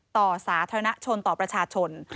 สาธารณชนต่อประชาชน